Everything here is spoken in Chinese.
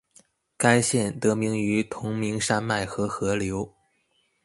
该县得名于同名山脉和河流。